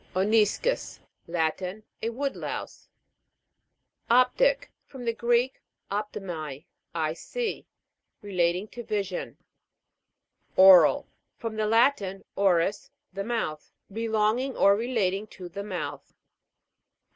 ONIS'CUS. Latin. A wood louse. OP'TIC. From the Greek, optomai, I see. Relating to vision. O'RAL. From the Latin, oris, the mouth. Relonging or relating to the mouth.